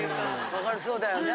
分かるそうだよね。